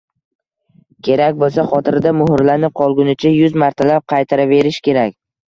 Kerak bo‘lsa, xotirada muhrlanib qolgunicha yuz martalab qaytaraverish kerak: